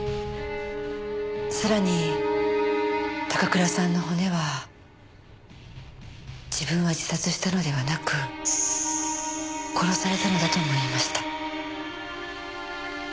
さらに高倉さんの骨は自分は自殺したのではなく殺されたのだとも言いました。